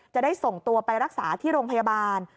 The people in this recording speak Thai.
จะได้ส่งตัวไปรักษาที่โรงพยาบาล